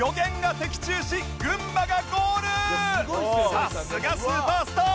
さすがスーパースター！